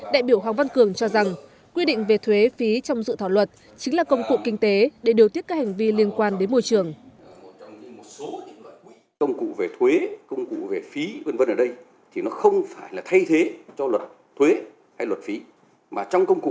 đại biểu hoàng văn cường cho rằng quy định về thuế phí trong dự thảo luật chính là công cụ kinh tế để điều tiết các hành vi liên quan đến môi trường